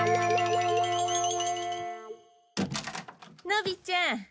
のびちゃん